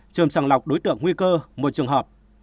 trường sẵn lọc đối tượng nguy cơ một trường hợp